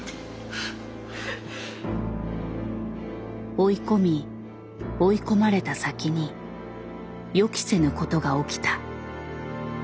追い込み追い込まれた先に予期せぬことが起きた。